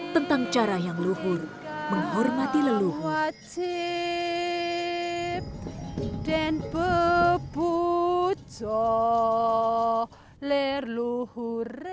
tentang cara yang luhur menghormati leluhur